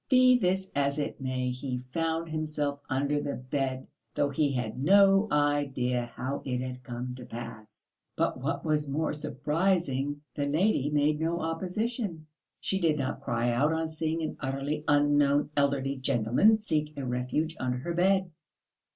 Be this as it may, he found himself under the bed, though he had no idea how it had come to pass. But what was most surprising, the lady made no opposition. She did not cry out on seeing an utterly unknown elderly gentleman seek a refuge under her bed.